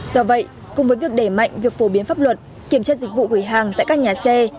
do vậy cùng với việc đẩy mạnh việc phổ biến pháp luật kiểm tra dịch vụ gửi hàng tại các nhà xe